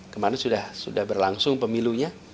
kemarin sudah berlangsung pemilunya